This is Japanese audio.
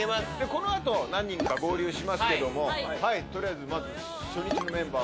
この後何人か合流しますけども取りあえずまず初日のメンバー